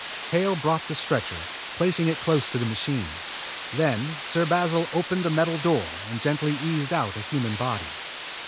Hale brought the stretcher, placing it close to the machine. Then Sir Basil opened a metal door and gently eased out a human body.